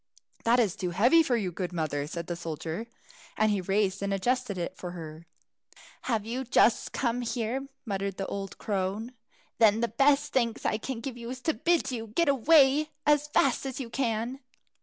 "That is too heavy for you, good mother," said the soldier; and he raised and adjusted it for her. "Have you just come here?" muttered the old crone; "then the best thanks I can give you is to bid you get away as fast as you can."